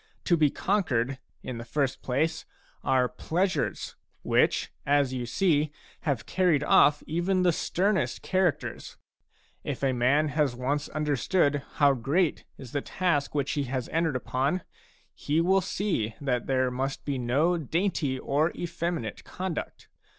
To be conquered, in the first place, are pleasures, which, as you see, have carried ofF even the sternest char acters. If a man has once understood how great is the task which he has entered upon, he will see that there must be no dainty or efFeminate conduct.